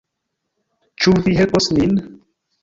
Ĉu vi helpos nin?